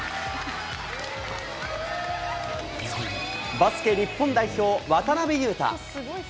バスケ日本代表、渡邊雄太。